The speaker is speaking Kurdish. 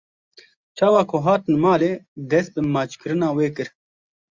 Çawa ku hatin malê dest bi maçkirina wê kir.